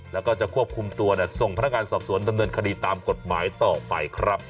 แล้วก็จะควบคุมตัวส่งพนักงานสอบสวนดำเนินคดีตามกฎหมายต่อไปครับ